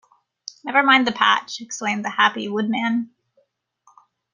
"Never mind the patch," exclaimed the happy Woodman.